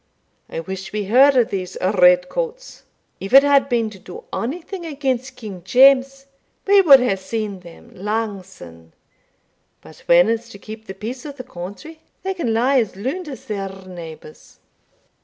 I wish we heard o' these red coats. If it had been to do onything against King James, we wad hae seen them lang syne but when it's to keep the peace o' the country they can lie as lound as their neighbours."